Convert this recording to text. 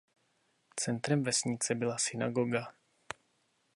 Centrem vesnice byla synagoga.